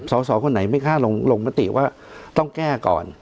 สาวคนไหนไม่ค่าลงประติว่าต้องแก้ก่อน